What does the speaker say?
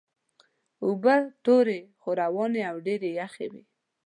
اوبه تورې خو روانې او ډېرې یخې وې.